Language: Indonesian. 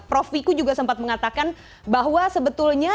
prof viku juga sempat mengatakan bahwa sebetulnya